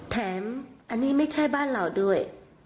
แถมอันนี้ไม่ใช่บ้านเราด้วย